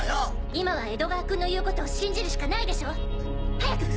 今は江戸川君の言うことを信じるしかないでしょ？早く！